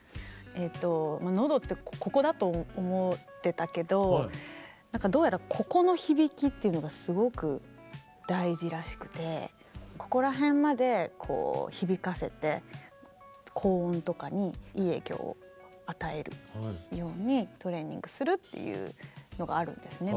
喉ってここだと思ってたけど何かどうやらここの響きっていうのがすごく大事らしくてここら辺までこう響かせて高音とかにいい影響を与えるようにトレーニングするっていうのがあるんですね